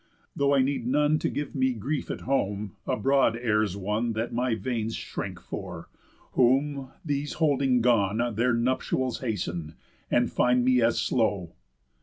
Though I need none To give me grief at home, abroad errs one That my veins shrink for, whom these holding gone, Their nuptials hasten, and find me as slow.